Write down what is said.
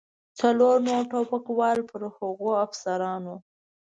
څلور نور ټوپکوال پر هغو افسرانو.